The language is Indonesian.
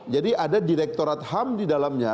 jadi ada direktorat ham di dalamnya